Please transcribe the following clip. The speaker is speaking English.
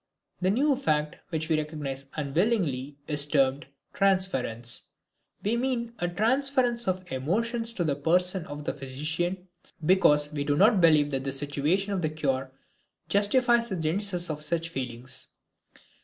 The new fact which we recognize unwillingly is termed transference. We mean a transference of emotions to the person of the physician, because we do not believe that the situation of the cure justifies the genesis of such feelings.